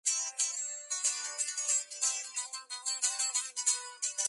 Además se obligó a Doha que las gradas tuvieran una protección contra el calor.